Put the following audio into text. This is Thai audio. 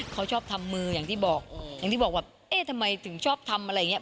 เขาชอบทำมืออย่างที่บอกอย่างที่บอกว่าเอ๊ะทำไมถึงชอบทำอะไรอย่างเงี้